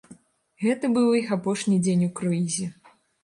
Гэта быў іх апошні дзень у круізе.